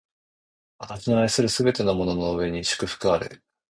私の愛するすべてのものの上に祝福あれ！